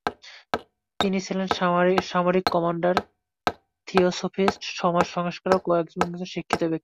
তিনি ছিলেন “সামরিক কমান্ডার, থিওসোফিস্ট, সমাজ সংস্কারক এবং একজন শিক্ষিত ব্যক্তি”।